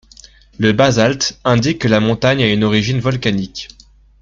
Le basalte indique que la montagne a une origine volcanique.